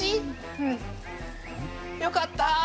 うん！よかった！